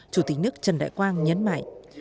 chủ tịch nước trần đại quang nhấn mạnh